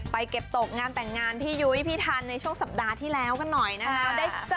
เก็บตกงานแต่งงานพี่ยุ้ยพี่ทันในช่วงสัปดาห์ที่แล้วกันหน่อยนะคะ